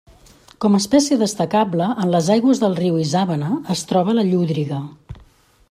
Com a espècie destacable en les aigües del riu Isàvena es troba la llúdriga.